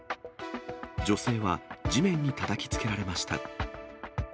女性は、地面にたたきつけられました。